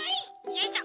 よいしょ